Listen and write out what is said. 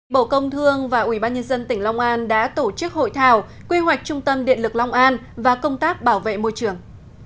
bộ công thương và ubnd tỉnh long an đã tổ chức hội thảo quy hoạch trung tâm điện lực long an và công tác bảo vệ môi trường